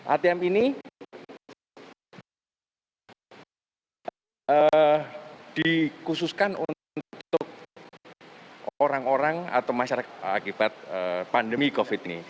atm ini dikhususkan untuk orang orang atau masyarakat akibat pandemi covid ini